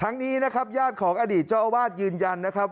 นี้นะครับญาติของอดีตเจ้าอาวาสยืนยันนะครับ